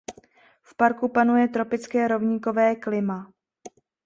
V parku panuje tropické rovníkové klima.